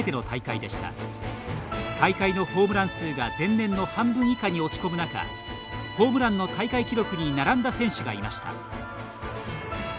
大会のホームラン数が前年の半分以下に落ち込む中ホームランの大会記録に並んだ選手がいました。